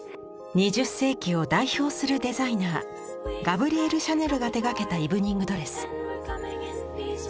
２０世紀を代表するデザイナーガブリエル・シャネルが手がけたイブニング・ドレス。